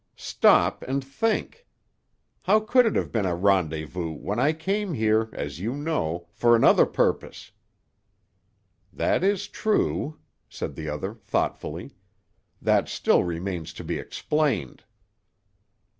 Stop and think! How could it have been a rendezvous, when I came here, as you know, for another purpose?" "That is true," said the other thoughtfully. "That still remains to be explained."